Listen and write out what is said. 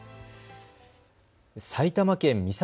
埼玉県美里